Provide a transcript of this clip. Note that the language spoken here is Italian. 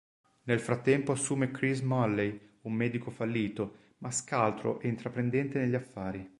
Nel frattempo assume Chris Malley, un medico fallito, ma scaltro e intraprendente negli affari.